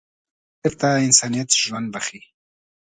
سوالګر ته انسانیت ژوند بښي